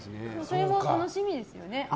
それも楽しみですよね。